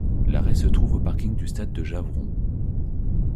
L'arrêt se trouve au parking du stade de Javron.